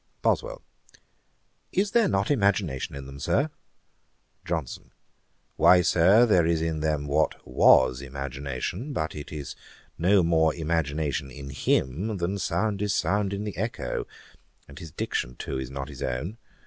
BOSWELL. 'Is there not imagination in them, Sir?' JOHNSON. 'Why, Sir, there is in them what was imagination, but it is no more imagination in him, than sound is sound in the echo. And his diction too is not his own.